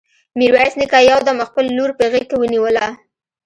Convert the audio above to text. ميرويس نيکه يو دم خپله لور په غېږ کې ونيوله.